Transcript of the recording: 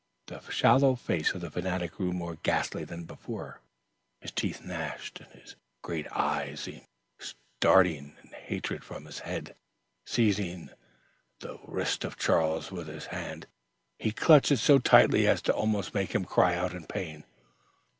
The sallow face of the fanatic grew more ghastly than before. His teeth gnashed, and his great eyes seemed starting in hatred from his head. Seizing the wrist of Charles with his hand, he clutched it so tightly as to almost make him cry out in pain.